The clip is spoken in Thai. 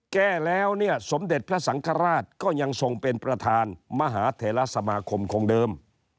แก้แล้วเนี่ยสมเด็จพระสังฆราชก็ยังทรงเป็นประธานมหาเทราสมาคมคงเดิม